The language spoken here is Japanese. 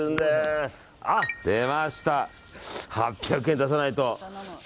８００円を出さないと。